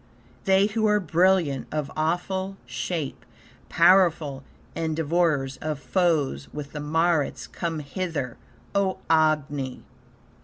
They who are brilliant, of awful shape, Powerful, and devourers of foes; with the Maruts come hither, O Agni!